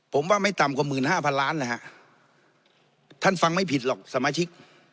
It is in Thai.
ผมว่าไม่ต่ำกว่าหมื่นห้าพันล้านนะฮะท่านฟังไม่ผิดหรอกสมาชิก